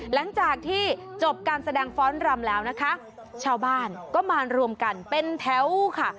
หลังจากที่จบการแสดงฟ้อนรำแล้วนะคะชาวบ้านก็มารวมกันเป็นแถวค่ะ